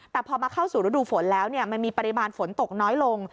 แต่พอมาเข้าสู่ฤดูฝนแล้วมันมีปริมาณฝนตกน้อยลง